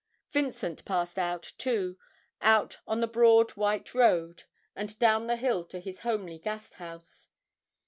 Vincent passed out, too, out on the broad white road, and down the hill to his homely Gasthaus.